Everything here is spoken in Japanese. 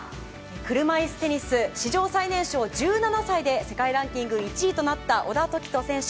車いすテニス史上最年少１７歳で世界ランキング１位となった小田凱人選手。